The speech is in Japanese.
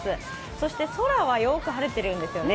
そして空はよく晴れているんですよね。